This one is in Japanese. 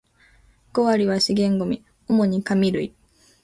五割は資源ゴミ、主に紙類